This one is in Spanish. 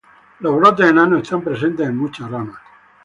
Los brotes enanos están presentes en muchas ramas.